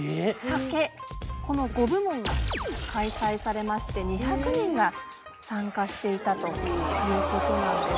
この５部門が開催されまして２００人が参加していたということなんです。